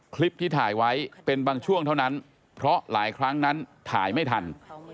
คลิปที่ถ่ายไว้เป็นบางช่วงเท่านั้นเพราะหลายครั้งนั้นถ่ายไม่ทัน